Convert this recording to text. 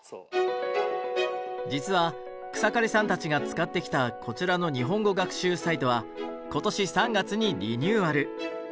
実は草刈さんたちが使ってきたこちらの日本語学習サイトは今年３月にリニューアル。